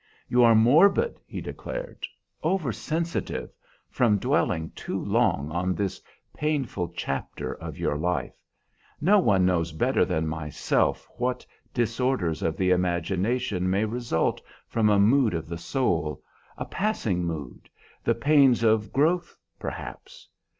"You are morbid," he declared, "oversensitive, from dwelling too long on this painful chapter of your life. No one knows better than myself what disorders of the imagination may result from a mood of the soul, a passing mood, the pains of growth, perhaps.